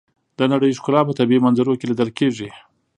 د نړۍ ښکلا په طبیعي منظرو کې لیدل کېږي.